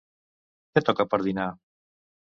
Què toca per dinar?